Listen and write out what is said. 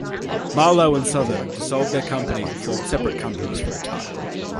Marlowe and Sothern dissolved their company and formed separate companies for a time.